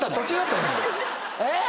えっ？